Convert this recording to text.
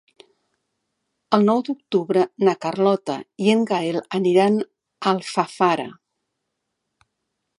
El nou d'octubre na Carlota i en Gaël aniran a Alfafara.